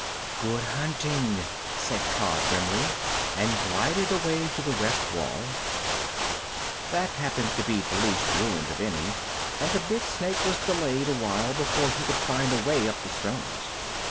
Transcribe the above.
"Good hunting," said Kaa grimly, and glided away to the west wall. That happened to be the least ruined of any, and the big snake was delayed awhile before he could find a way up the stones.